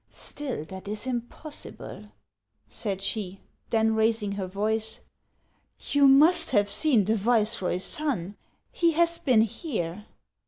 Still, that is impossible," said she ; then, raising her voice :" You must have seen the viceroy's son; he has been here."